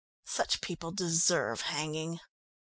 Such people deserve hanging."